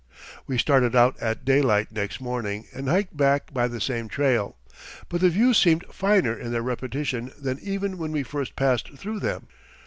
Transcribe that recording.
We started out at daylight next morning and hiked back by the same trail; but the views seemed finer in their repetition than even when we first passed through them.